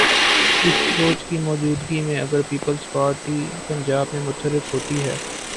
اس سوچ کی موجودگی میں، اگر پیپلز پارٹی پنجاب میں متحرک ہوتی ہے۔